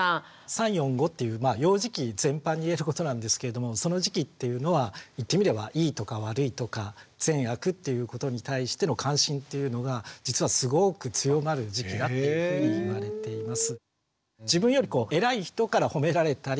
３４５っていう幼児期全般に言えることなんですけれどもその時期っていうのは言ってみればいいとか悪いとか善悪っていうことに対しての関心っていうのが実はすごく強まる時期だっていうふうにいわれています。